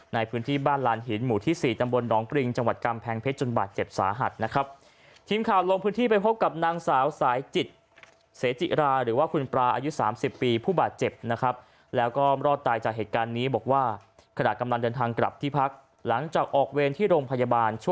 ในพื้นที่บ้านลานหินหมู่ที่๔ตำบลหนองปริงจังหวัดกำแพงเพชรจนบาดเจ็บสาหัสนะครับ